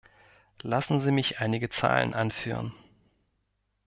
Lassen Sie mich einige Zahlen anführen.